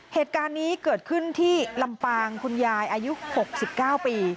เหตุการณ์นี้เกิดขึ้นที่ลำปางคุณยายอายุ๖๙ปี